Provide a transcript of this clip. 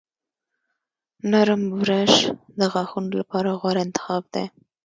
نرم برش د غاښونو لپاره غوره انتخاب دی.